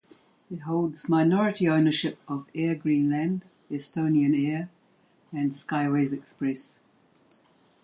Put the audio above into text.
It holds minority ownership of Air Greenland, Estonian Air, and Skyways Express.